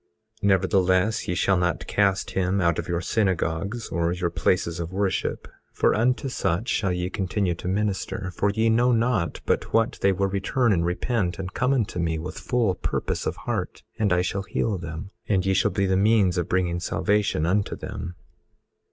18:32 Nevertheless, ye shall not cast him out of your synagogues, or your places of worship, for unto such shall ye continue to minister; for ye know not but what they will return and repent, and come unto me with full purpose of heart, and I shall heal them; and ye shall be the means of bringing salvation unto them.